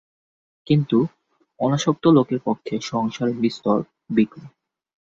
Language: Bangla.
কিন্তু, অনাসক্ত লোকের পক্ষে সংসারে বিস্তর বিঘ্ন।